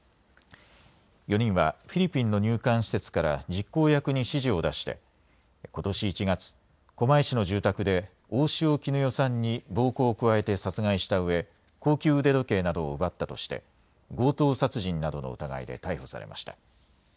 ４人はフィリピンの入管施設から実行役に指示を出してことし１月、狛江市の住宅で大塩衣與さんに暴行を加えて殺害したうえ高級腕時計などを奪ったとして強盗殺人などの疑いで逮捕されました。